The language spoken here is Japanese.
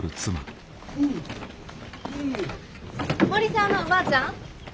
森澤のおばあちゃん。